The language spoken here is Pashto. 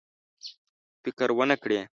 فکر ونه کړي.